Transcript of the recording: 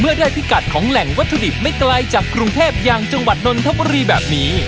ได้พิกัดของแหล่งวัตถุดิบไม่ไกลจากกรุงเทพอย่างจังหวัดนนทบุรีแบบนี้